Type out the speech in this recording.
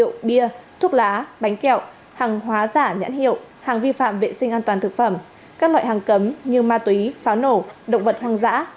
rượu bia thuốc lá bánh kẹo hàng hóa giả nhãn hiệu hàng vi phạm vệ sinh an toàn thực phẩm các loại hàng cấm như ma túy pháo nổ động vật hoang dã